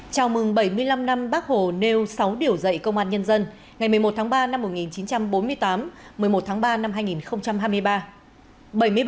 chào mừng bảy mươi năm năm bác hồ nêu sáu điều dạy công an nhân dân ngày một mươi một tháng ba năm một nghìn chín trăm bốn mươi tám một mươi một tháng ba năm hai nghìn hai mươi ba